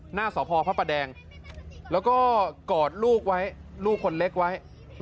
หน้าสพพระประแดงแล้วก็กอดลูกไว้ลูกคนเล็กไว้